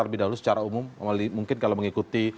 lebih dahulu secara umum mungkin kalau mengikuti